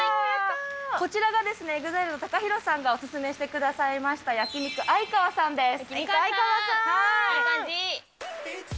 こちらがＥＸＩＬＥのＴＡＫＡＨＩＲＯさんがお勧めしてくださいました、焼肉あいかわさんです。